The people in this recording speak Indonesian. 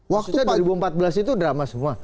maksud saya dua ribu empat belas itu drama semua